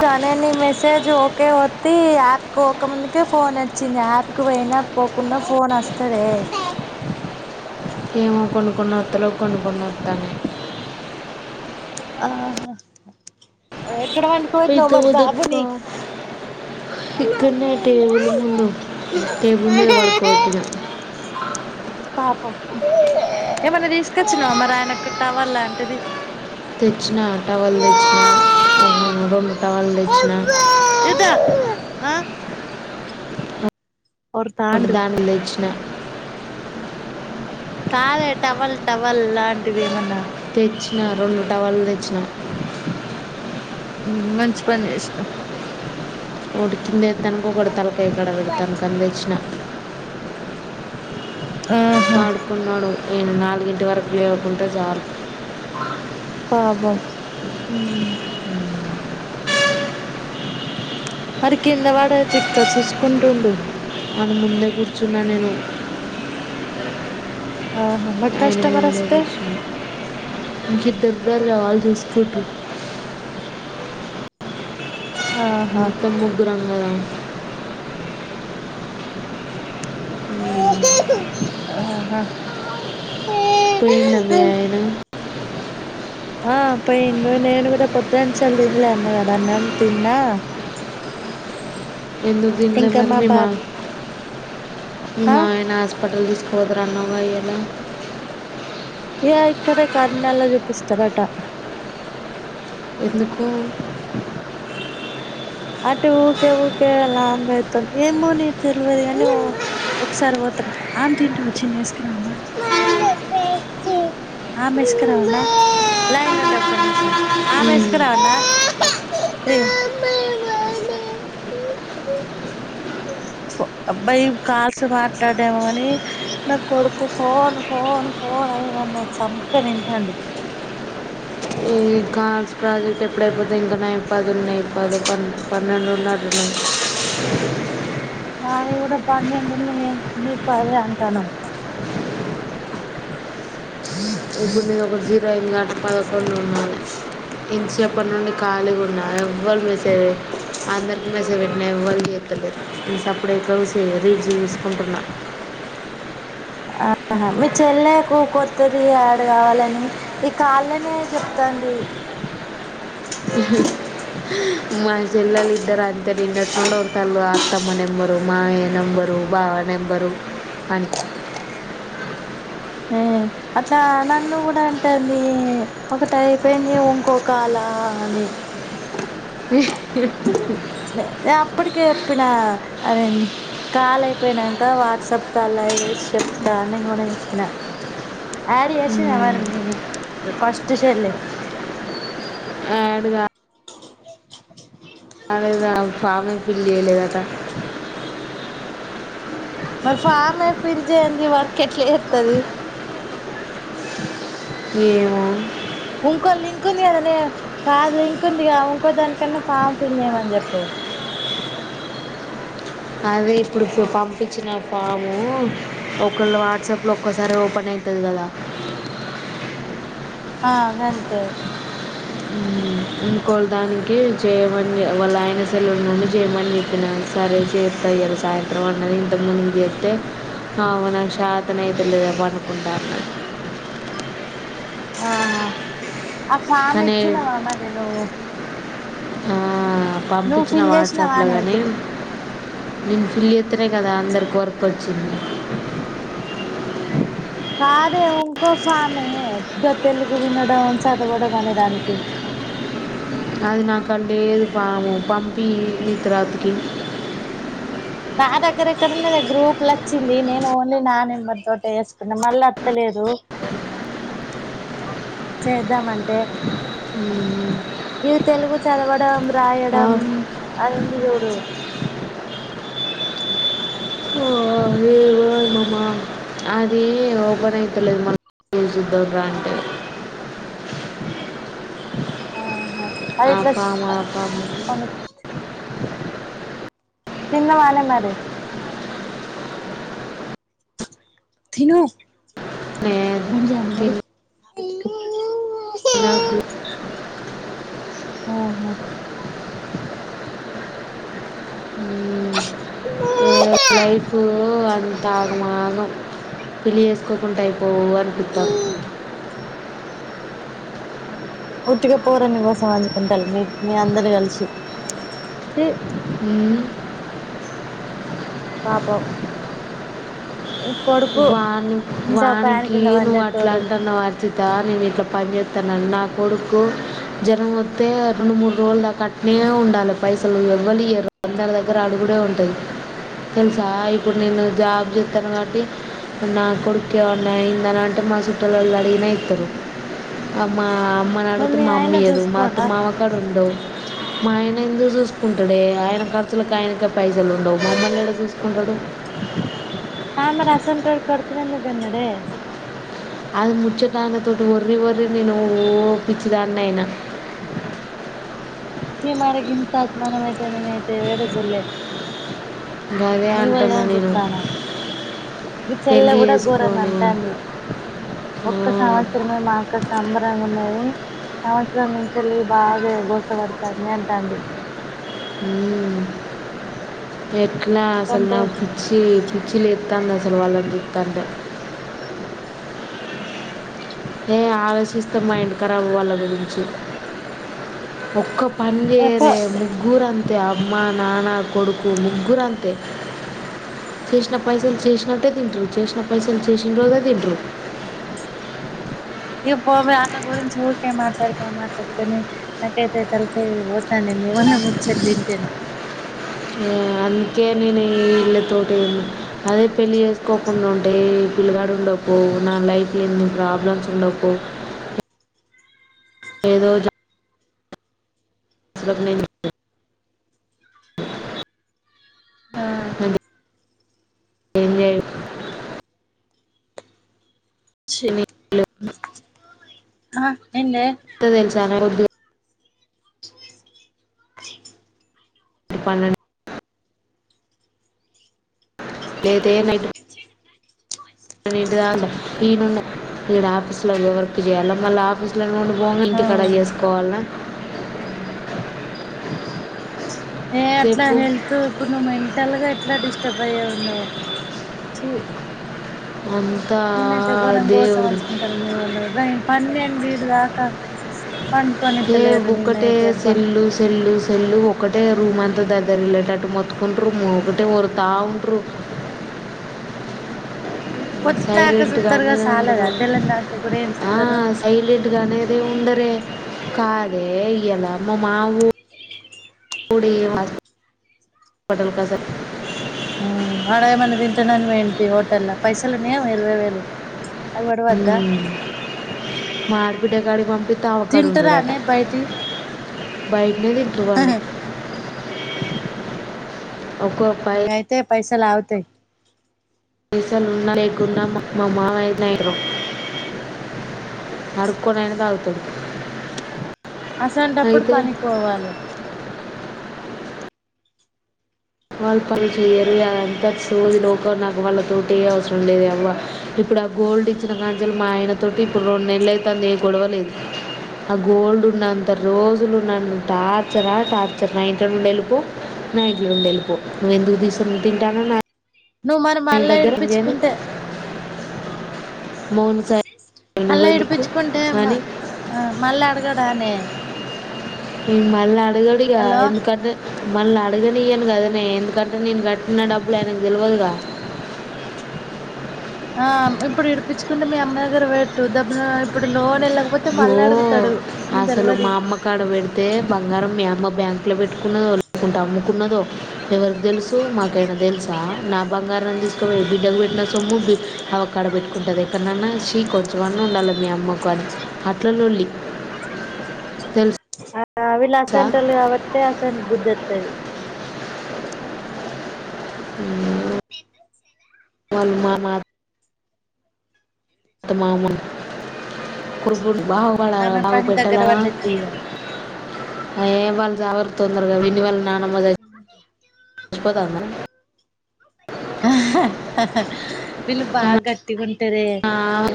తనే నీ మెసేజ్ ఓప్ ఒకే వొత్తి యాప్క్ ఒక ముందుకే ఫోన్ వచ్చింది. యాప్ కి పోయినా పోకున్నా ఫోన్ వస్తదే ఆ ఆ ఏమో కొనుకున్నత్తలేవ్ కొనుకున్న అత్తన్నాయి ఆహా ఎక్కడ వండుకోవేట్టినావు మరి బాబుని ఇక్కన్నే టేబులుముందు టేబుల్ మీద వడకోవెట్టినా పాపమ్ ఏమన్నా తీసుకొచ్చినవా మరి ఆయనకు టవల్ లాంటిది. తెచ్చిన టవల్ తెచ్చిన అ రెండు టవల్ తెచ్చిన ఇదా ఆ ఒర్రుతాండు నోటుదటుల్దెచ్చిన కాదే టవల్ టవల్ లాంటిది ఏమన్నా తెచ్చిన రెండు టవల్లు తెచ్చిన మ్ మంచి పని జేషినా ఉడికిందే తనుకఒకడి తలకాయ కడ పెడతనుకని తెచ్చిన ఆహా పాడుకున్నాడు నేను నాలుగింటి వరకు లేవకుంటే చాలు పాపం ఉమ్ మరి కింద వాడ చిక్క చూసుకుంటుండు. అని ముందే కూర్చున్నా నేను ఆహా మరి [inaudible] కస్టమర్ వస్తే దగ్గర [inaudible] ఆహా ఎంత ముద్దుగా అన్నదామే ఉమ్ ఆహా పోయిండా మీ ఆయన ఆ పోయిండు నేను కూడా పొద్దాంచాలి తినలే అన్న గదా అన్నం తిన్నా ఎందుకు తిండ్ల ఇంకా మరి మీ మా బాబు మీ ఆ మామయ నా హస్ పటల్ తీసుకోపోతారా అన్న ఇయాల య ఇక్కడ కర్మినల్లో చూపిస్తారట ఎందుకు? అటు ఊకే ఊకే లాంగ్ అయితుంది. ఏమో నే తెలివదుగాని ఓ ఒకసారి ఓ ఆమ్ తింటవ చిన్ను వేసుకరావానా? ఆమేస్కర్ [unintelligible] ఒక్క నిమిషం ఆమేస్కారవున్నా అబ్బా ఇవి కాల్స్ మాట్లాడము ఏమో గాని నా కొడుకు ఫోన్ ఫోన్ ఫోన్ అని నన్ను చంప తింటాండు. ఇంకాన్స్ ప్రాజెక్ట్ ఎప్పుడైపోతయ్ ఇంకా న న్నాయి పది పన్నె పన్నెండు ఉన్నట్టున్నాయి పన్నెండున్నయే నువ్వు పదే అంటానవవ్ ఇప్పుడు నీది ఒక జీరో అయింది కాబట్టి పదకొండు ఉండాలే ఇంసేపటి నుండి ఖాళీగా ఉన్న ఎవ్వరు మెసేజ్ అందరికీ మెసేజ్ పెట్టినా ఎవరు చేస్తలేరు సప్పు [unintelligible] రీల్స్ చూసుకుంటున్న ఆహా మీ చెల్లకు కొత్తది యాడ్ కావాలని ఈ కాళ్ళనే చెప్తాను. ది మా చెల్లెలిద్దరూ అంతే నిన్నటి నుండి ఒర్లుతాళ్ళు అత్తమ్మ నెంబరు మామయ్య నెంబరు బావ నెంబరు అనీ ఆ అట్లా నన్ను కూడా అంటంది ఒకటి అయిపోయింది ఇంకో కాల ఆ అని ఏ ఆపు అప్పటిక చెప్పిన అనింది కాల్ అయిపోయినంక వాట్సాప్ కాల్ లో చేసి చెప్తా అని గూడ చెప్పిన యాడ్ చేసిందా మ్మ్. మరి మీ ఫస్ట్ చెల్లె యాడ్ గా యాడ్ గాదు ఫామ్ ఏ ఫిల్ ఏయ్యాలేదట మరి ఫామే ఫీల్ చేయంది వర్క్ ఎట్లా చేత్తది ఏమో ఇంకో లింక్ ఉంది కదనే కాదు లింక్ ఉందిగా ఇంకో దానికన్నా ఫామ్ ఫిల్ చేయమని చెప్పు అవే ఇప్పుడి డిప్పుడు పంపించిన ఫాము ఒకళ వాట్సాప్ లో ఒక్కసారి ఓపెన్ అ అయితది గదా ఆ గంతే ఉమ్ ఇంకోల్ దానికి చెయమని వాళ్ళ ఆయన సెల్లుల్ నుండి చెయమని చెప్పినాను. సరే చేత్త ఇయ్యాల సాయంత్రం అన్నది ఇంతకు ముందు జెత్తె అవునా షాతనైత లేదే పండుకుంటా అన్నది ఆహా ఆ ఫామ్ ఇచ్చినవా మరీ నువ్వు ఆ నువ్వు పంపించిన ఫిల్ వాట్సాప్ల చేసినవానే గానీ నేను ఫిల్ చెత్తేనే కదా అందరికి వర్క్ వచ్చింది కాదే ఇంకో ఫామే గ తెలుగు వినడం చదవడం అనేదానికి నాది నా కాడ లేదు ఫాము పంపి తర్వాతకి నా దగ్గర ఎక్కడ ఉన్నదే గ్రూపుల వచ్చింది నేను ఓన్లీ నా నెంబర్ తోటె చేసుకున్నా మళ్ళ ఎత్తలేదు చేద్దామంటే ఇవి తెలుగు చదవడం రాయడం అది ఉంది చూడు అది ఓపెన్ అయితలేదు మన జ దర అంటే ఆహా అది ఆ ఇట్లా ఫామ్ ఆ ఫామ్ కొ తినవనే మరి తిను నే బనిజను మరి ఎలు నాకు ఆహా ఏ లైఫ అది ఆగమాగ పెళ్లి చేసుకోకుండా అయిపోవు అనిపిస్తారు పూర్తిగా పోరానివాసం అనుకుంటారు మీ మీ అందరు కలిసి టీ ఉమ్ పాపం ఈ కొడుకు వాణి ఇంట్లో ఫ్యాన్ వాణికి కింద నువు అట్లా పండేటోడు అంటున్నావ్ వారితి తా నేను ఇక్కడ పనిచేస్తానను నా కొడుకు జ్వరం వస్తే రెండు మూడు రోజులు దాక అట్నే ఉండాలి పైసలు ఎవ్వలియారు అందరి దగ్గర అడుగుడే ఉంటుంది తెలుసా ఇప్పుడు నేను జాబ్ చెస్తాన కాబట్టి నా కొడుకు ఏమన్నా అయిందనీ అంటే మా చుట్టలళ్ళు అడిగిన ఇతారు అమ్మ అమ్మని మరి అడిగితే మీ మా ఆయన అమ్మయీయదు మా అత చూసుకోడా మామ కాడా ఉండవు మా ఆయన ఎందుకు చూ చూసుకుంటాడే ఆయన ఖర్చులకు ఆయనకె పైసలు ఉండవు మమ్మల్ని ఎడా చూసుకుంటాడు క మరి అసాంటోడు కొడుకునేందుకు కనడే అది ముచ్చటానతోటి వరిరి వరిరి నేను ఓ పిచ్చిదాన్ని అయిన చీ మరి గింత్ గోరం నేనైతే ఎడా చూడలే గదే మీ అంటున్నా వళ్ళంనే నేను చూతానా మీ చెల్లే పెళ్ళి కూడా ఘోరంగా చేసుకొని అంటాంది ఆ, ఒక్క సంవత్సరమే మా అక్కకి సంబరంగా ఉన్నది సంవత్సరం నుంచి వెళ్ళి బాగా బోస పడతంద అంటాంది ఎట్లా అసలు ఎందుకంటే నాకు పిచ్చి పిచ్చి లే తంది అసలు వాళ్లని చుతంటే ఉ ఏ ఆలోచిస్తే మైండ్ కరాబ్ వాళ్ళ గురించి ఒక్క పని ఎప్పు చేయరే ముగ్గురంతే అమ్మ నాన్న కొడుకు ముగ్గురంతే చేసిన పైసలు చేసినట్టే తింటారు చేసిన పైసలు చేసిన రోజే తింటురు ఇ బ పోవ్ వాళ్ళ గురించి ఊరికే మాట్లాడుక మాట్లాడుకొని నాకైతే తలకె పోతాంది లేవన్న ముచ్చటింటేనే అందుకే నేను ఈ ఇళ్ళతోటి అదే పెళ్ళి చేసుకోకుండా ఉంటేయి పిల్లగాడు ఉండపో నా లైఫ్ ఎన్ని ప్రాబ్లమ్స్ ఉండపో ఏదోజా స ఆ ఏం లేదు చి ఆ ఏందే గ దెలుసానే రొద్దు పనను లేదే నైటూ అదేంటి దాగు ఈనును ఈ ఆఫీస్ ల వర్క్ చేయాల మళ్ళ ఆఫీస్ లో నుండి ఓన్లీ ఆ ఇంటికాడ చేసుకోవల్నా ఏ అట్లా చెప్పు హెల్త్ ఇప్పుడు నువ్వు మెంటల్ గా ఎట్లా డిస్టర్బ్ అయ్యవు నో చీ అంతా నిన్నయితే గోరంగా గోస దేవుడు పంచుకుంటారు మీ ఒళ్ళు గయన్ పన్నెండు ఇంటిదాకా ఏ ఒకటే సెల్లు సెల్లు సెల్లు ఒకటే రూమ్ అంతా దద్దరిల్లేటట్టు మొత్తుకుంట్రు ఒకటే ఓరుతా ఉంటారు [unintelligible] పొద్దుదాకా సైలెంట్గా చూత్తరుగా అనేది సాలదా ఉండదు తెల్లందాక కూడా ఏం ఆ చూత్తరు సైలెంట్గా అనేదే ఉండదు దే కాదే ఇయ్యాల మా మావు పుడి మచ్ [unintelligible] కి అసలు ఆడే ఏమన్నా తింటానని పోయిండేమో హోటళ్ల పైసలు ఉన్నాయేమో ఇరువైవేలు అవి ఒడవద్ద ఉమ్, మా ఆడబిడ్డ కాడికి పంపితె ఆమె కాడ ఉండడట తింటరానే బయటియి బయటనే తింట్రు వాళ్లు ఒక్కో పయ్ అయితే పైసలు ఆగుతయ్ పైసల్ ఉన్నా లేకున్నా మా మామయ్య అట్నే ఐతడు అడుక్కోనయినా తాగుతాడు అసొంటప్పుడు అయితే పనికి పోవాలే వాళ్లు పని చెయ్యరు ఇగ అదంతా సోది రోకో నాకు వాళ్ళ తోటి అవసరం లేదే అవ్వ ఇప్పుడు ఆ గోల్డ్ ఇచ్చిన కాంచలి మా ఆయన తోటి ఇప్పుడు రెండు నెలైతాంది ఏ గొడవలేదు ఆ గోల్డ్ ఉన్నంత రోజులు నను టార్చరా టార్చర్ నా ఇంట్ల నుండి వెళ్ళిపో నా ఇంట్లో నుండి వెళ్ళిపో నువ్వ ఎందుకు తీస తింటానవు నా నువ్వు మరీ నా మళ్ళ దగ్గర ఏం చేయను విడిపించుకుంటే మౌన సాయి అళ్లా నువ్వెందుకు విడిపిచ్చుకుంటే మ అని ఆ మల్ల అడగడానే ఈ మల్ల అడుగడిగా హలో ఎందుకంటె మళ్ళీ అడగనియ్యను కదానే ఎందుకంటే నేను కట్టిన డబ్బులు ఆయనకు తెలియదుగా [unintelligible] ఆ ఇప్పుడు విడిపించుకుంటే మీ అమ్మ దగ్గర పెట్టు దబ్బునా ఇప్పుడు లోన్ ఎలక్ వో అసలు మా అమ్మ కాడ పెడితే బంగారం మీ మా బ్యాంక్లో పెట్టుకున్నదో లేకుంటే అమ్ముకున్నదో ఎవరికి తెలుసు మాకేమైనా తెలుసా నా బా బంగారం తీసుకపోయి బిడ్డకు పెట్టిన సొమ్ము అవ్వ కాడ పెట్టుకుంటుద ఎక్కడన్నన షీ కొంచెం అన్నా ఉండాలి మీ అమ్మకద్ అట్ల లొల్లి తెలుస స వీళ్ళు అసంటోళ్లు కాబట్టి అసంటీ బుద్ధి అతది ఊ మల్ మా మామ్ అత్త మామ కొడుకుల్ బాగుపడాల ఆమె బాగు పని దగ్గర పెట్టలా పడ్డట్టు ఇగ ఏ వాళ్లు సావరు తొందరగా విన్నీ వాళ్ళ నాన్నమ్మ సస్ చ్చిపోతోందా వీళ్ళు కానీ బాగా గట్టిగుంటరే ఆమె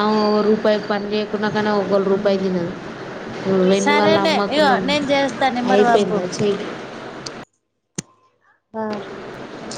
ఆమె ఒక రూపాయి పని చెయ్యకున్నా కానీ ఒకలి రూపాయి తినదు విన్నీ వాళ్ళ సరేనే అమ్మ ఇగో గుణం నేను చేస్తా నెంబర్ పంపు అయిపోయిందా చేయ ఆ